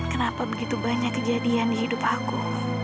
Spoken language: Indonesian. kenapa begitu banyak kejadian di hidup aku